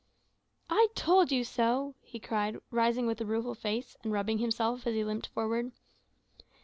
"I told you so," he cried, rising with a rueful face, and rubbing himself as he limped forward.